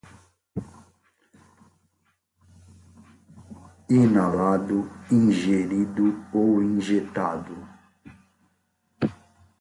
inalado, ingerido ou injetado